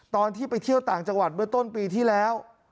ตอนที่ไปเที่ยวต่างจังหวัดเมื่อต้นปีที่แล้ว